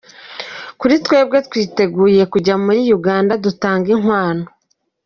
Kuri twebwe twiteguye kujya muri Uganda dutange inkwano…”.